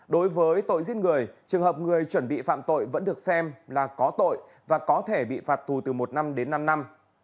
đối với tội giết người trường hợp người chuẩn bị phạm tội vẫn được xem là có tội và có thể bị phạt tù từ một năm đến năm năm